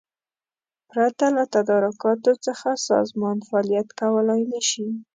پرته له تدارکاتو څخه سازمان فعالیت کولای نشي.